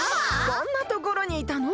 こんなところにいたの！？